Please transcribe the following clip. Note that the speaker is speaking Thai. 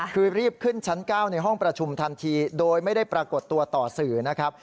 คือรีบขึ้นชั้น๙ในห้องประชุมทันทีโดยไม่ได้ปรากฏตัวต่อสื่อนะครับ